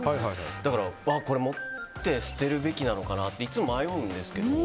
だから、これ持って、捨てるべきなのかなっていつも迷うんですけど。